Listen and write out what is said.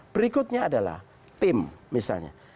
berikutnya adalah tim misalnya